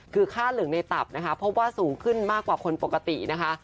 คือค่าเหลืองในตับนะคะพบว่าสูงขึ้นมากกว่าคนปกตินะคะ